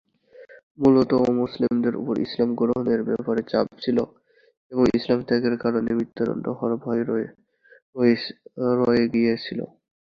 মূলত অমুসলিমদের উপর ইসলাম গ্রহণের ব্যাপারে চাপ ছিল এবং ইসলাম ত্যাগের কারণে মৃত্যুদন্ড হওয়ার ভয় রয়ে গিয়েছিল।